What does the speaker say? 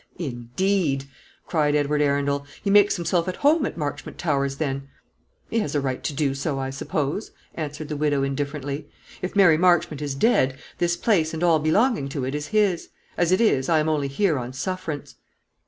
"Indeed!" cried Edward Arundel; "he makes himself at home at Marchmont Towers, then?" "He has a right to do so, I suppose," answered the widow indifferently. "If Mary Marchmont is dead, this place and all belonging to it is his. As it is, I am only here on sufferance."